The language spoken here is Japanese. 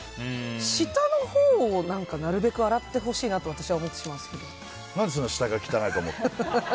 下のほうをなるべく洗ってほしいなと何でそんな下が汚いと思う？